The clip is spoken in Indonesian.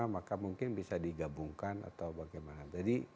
maka mungkin bisa digabungkan atau bagaimana